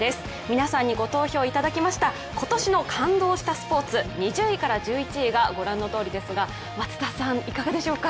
皆さんにご投票いただきました今年の感動したスポーツ２０位から１１位が御覧のとおりですが松田さん、いかがでしょうか？